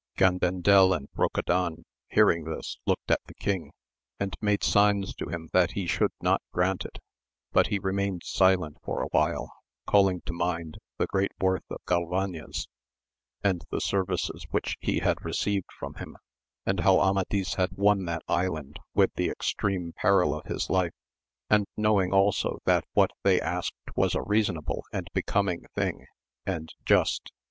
Gandandel and Brocadan hearing this looked at the king, and made signs to him that he should not grant it ; but he remained silent for awhile, calling to mind the great worth of Galvanes, and the 108 AMADIS OF GAUL. services which he had received from him, and how Amadis had won that Island with the extreme peril of his life, and knowing also that what they asked was a reasonable and becoming thing, and just.